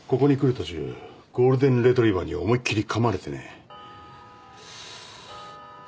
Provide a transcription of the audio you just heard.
途中ゴールデンレトリバーに思いっ切りかまれてね。